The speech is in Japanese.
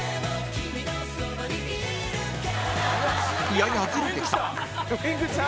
ややズレてきた